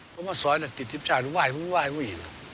เพราะว่าสอนติดทีมชาติหว่ายแล้วอีก